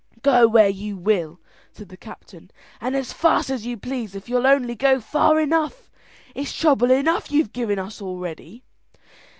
"Go where you will," said the captain, "and as fast as you please if you'll only go far enough. It's trouble enough you've given us already."